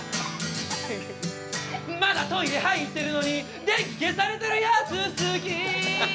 まだトイレ入ってるのに電気消されてるやつ好き